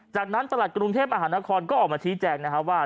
จากนั้นประหลัดกรุงเทพฯอาหารอาคารก็ออกมาทีแจกว่า